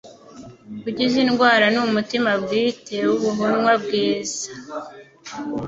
Gukiza indwara ni umutima bwite w'Ubuhunwa bwiza;